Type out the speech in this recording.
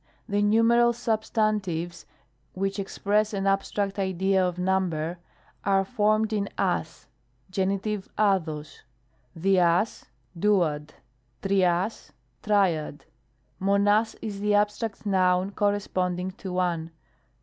The numeral substantives (which express an ab stract idea of number) are formed in ag. Gen. dSog ; 8vdg ("duad"); TQidg ("triad"), fiovdg is the ab stract noun corresponding to (me.